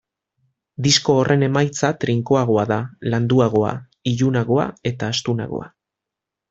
Disko horren emaitza trinkoagoa da, landuagoa, ilunagoa eta astunagoa.